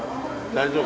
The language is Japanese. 大丈夫？